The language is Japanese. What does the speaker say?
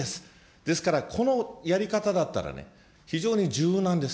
ですから、このやり方だったらね、非常に柔軟です。